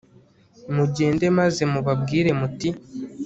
mugende maze mubabwire muti